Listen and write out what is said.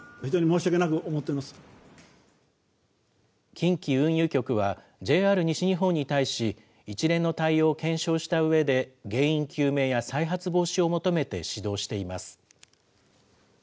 近畿運輸局は、ＪＲ西日本に対し、一連の対応を検証したうえで、原因究明や再発防止を求めて指導しています。